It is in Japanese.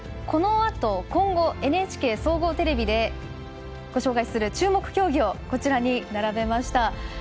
このあと、今後ＮＨＫ総合テレビでご紹介する注目競技をこちらに並べました。